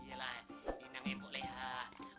iyalah namai empok lehak